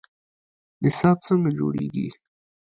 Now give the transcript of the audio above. نصاب څنګه جوړیږي؟